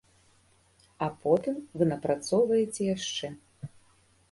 А потым вы напрацоўваеце яшчэ.